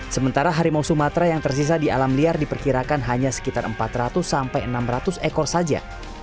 sementara harimau sumatera yang tersisa di alam liar diperkirakan hanya sekitar empat ratus sampai enam ratus ekor saja